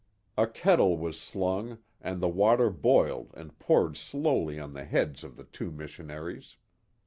A kettle was slung, and the water boiled and poured slowly on the heads of the two missionaries.